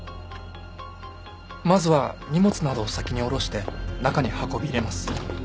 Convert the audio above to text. まずは荷物などを先に下ろして中に運び入れます。